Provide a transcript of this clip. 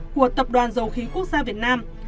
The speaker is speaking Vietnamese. của tập đoàn dầu khí quốc gia việt nam